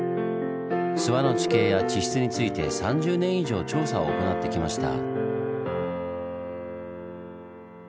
諏訪の地形や地質について３０年以上調査を行ってきました。